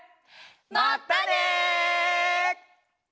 まったね。